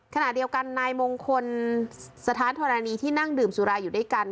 ขณะเดียวกันนายมงคลสถานธรณีที่นั่งดื่มสุราอยู่ด้วยกัน